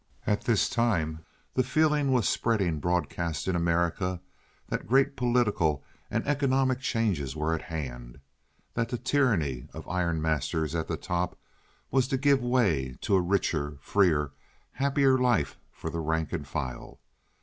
At this time the feeling was spreading broadcast in America that great political and economic changes were at hand—that the tyranny of iron masters at the top was to give way to a richer, freer, happier life for the rank and file.